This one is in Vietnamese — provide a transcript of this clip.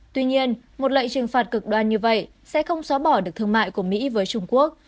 tuy nhiên một lệnh trừng phạt cực đoan như vậy sẽ không xóa bỏ được thương mại của mỹ với trung quốc